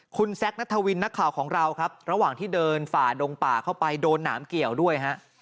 คุณแซคนัทวินนักข่าวของเราครับระหว่างที่เดินฝ่าดงป่าเข้าไปโดนหนามเกี่ยวด้วยฮะ